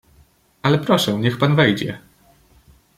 "Ale proszę, niech pan wejdzie."